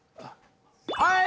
はい！